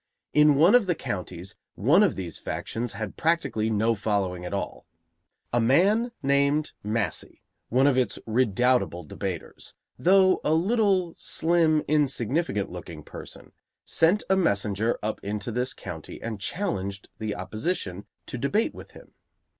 In one of the counties one of these factions had practically no following at all. A man named Massey, one of its redoubtable debaters, though a little, slim, insignificant looking person, sent a messenger up into this county and challenged the opposition to debate with him.